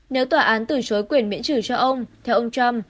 nếu tòa án từ chối quyền miễn trừ cho ông theo ông trump